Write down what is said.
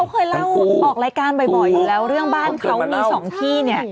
เขาเคยเล่าออกรายการบ่อยอยู่แล้วเรื่องบ้านเขามีสองที่เนี่ย